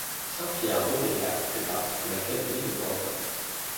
Saint-Pierre-d'Aurillac fait partie de l'académie de Bordeaux.